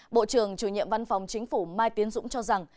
bộ trưởng chủ nhiệm văn phòng chính phủ mai tiến dũng cho rằng